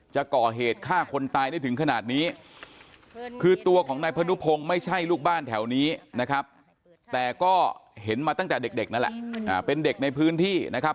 จะก่อเหตุฆ่าคนตายได้ถึงขนาดนี้คือตัวของนายพนุพงศ์ไม่ใช่ลูกบ้านแถวนี้นะครับแต่ก็เห็นมาตั้งแต่เด็กนั่นแหละเป็นเด็กในพื้นที่นะครับ